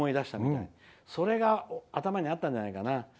それが頭にあったんじゃないかな。